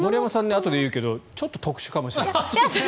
あとで言うけどちょっと特殊かもしれない。